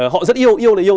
họ rất yêu yêu là yêu